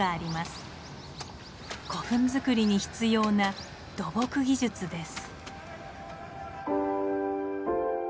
古墳づくりに必要な土木技術です。